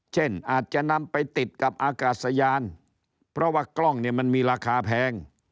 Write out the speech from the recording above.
เช่นอาจจะนำไปติดกับอากาศยานเพราะว่ากล้องเนี่ยมันมีราคาแพง